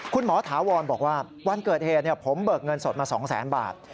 ถาวรบอกว่าวันเกิดเหตุผมเบิกเงินสดมา๒แสนบาท